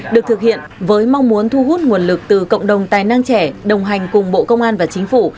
được thực hiện với mong muốn thu hút nguồn lực từ cộng đồng tài năng trẻ đồng hành cùng bộ công an và chính phủ